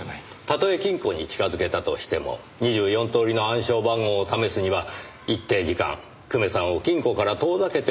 たとえ金庫に近づけたとしても２４通りの暗証番号を試すには一定時間久米さんを金庫から遠ざけておかなければならない。